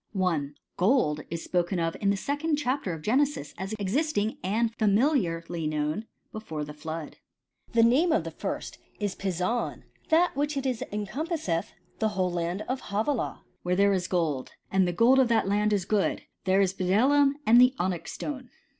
1 . Gold is spoken of in the second chapter of Gene^ sis as existing and familiarly known before the flood. " The name of the first is Pison ; that is it which encompasseth the whole land of Havilah, where there is gold. And the gold of that land is good : there is bdellium and the onyx stone."